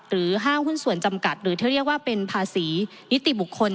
ห้างหุ้นส่วนจำกัดหรือที่เรียกว่าเป็นภาษีนิติบุคคล